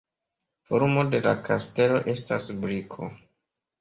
Formo de la kastelo estas briko.